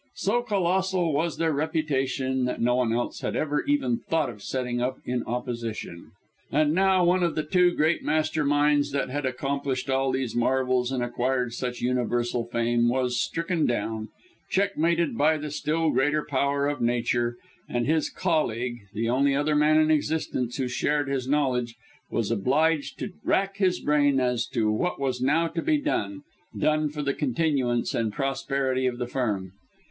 So colossal was their reputation, that no one else had ever even thought of setting up in opposition. And now one of the two great master minds, that had accomplished all these marvels and acquired such universal fame, was stricken down, checkmated by the still greater power of nature; and his colleague the only other man in existence who shared his knowledge was obliged to rack his brain as to what was now to be done done for the continuance and prosperity of the firm.